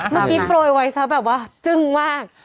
เมื่อกี้โปรยไว้แบบว่าจึงมาก